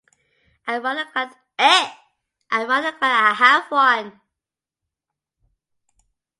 I’m rather glad I have one.